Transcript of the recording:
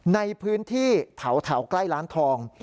ในพื้นที่แถวใกล้ร้านทอง